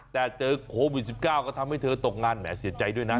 แต่เจอโควิด๑๙ก็ทำให้เธอตกงานแหมเสียใจด้วยนะ